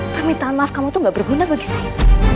permintaan maaf kamu itu gak berguna bagi saya